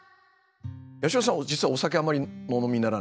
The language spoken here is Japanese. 八代さん実はお酒あんまりお飲みにならないんですよね？